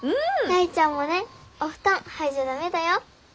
大ちゃんもね。お布団剥いじゃ駄目だよ。